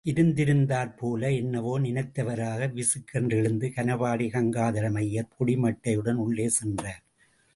இருந்திருந்தாற்போல என்னவோ நினைத்தவராக, விசுக் கென்று எழுந்த கனபாடி கங்காதரம் ஐயர், பொடிமட்டையுடன் உள்ளே சென்றார்.